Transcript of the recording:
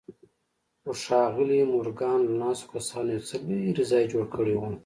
خو ښاغلي مورګان له ناستو کسانو يو څه لرې ځای جوړ کړی و.